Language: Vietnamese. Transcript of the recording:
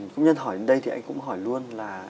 công nhân hỏi đến đây thì anh cũng hỏi luôn là